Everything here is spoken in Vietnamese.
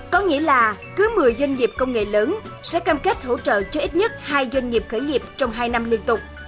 có nghĩa là cứ một mươi doanh nghiệp công nghệ lớn sẽ cam kết hỗ trợ cho ít nhất hai doanh nghiệp khởi nghiệp trong hai năm liên tục